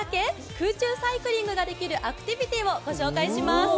空中サイクリングができるアクティビティをご紹介します。